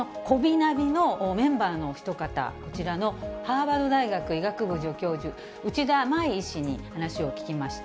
ナビのメンバーのお一方、こちらのハーバード大学医学部助教授、内田舞医師に話を聞きました。